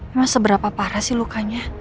emang seberapa parah sih lukanya